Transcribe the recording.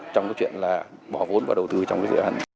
trong cái chuyện là bỏ vốn và đầu tư trong cái dự án